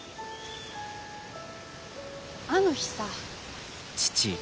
あの日さ。